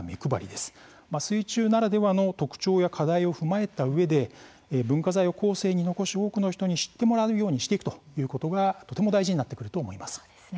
水中ならではの特徴や課題を踏まえたうえで文化財を後世に残し多くの人に知ってもらうようにしていくということがとても大事になってくると思います。